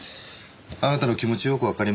「あなたの気持ちよくわかります」